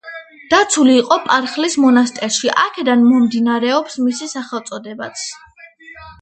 დაცული იყო პარხლის მონასტერში; აქედან მომდინარეობს მისი სახელწოდებაც.